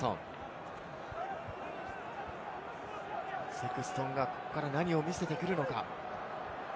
セクストンがここから何を見せてくるのか？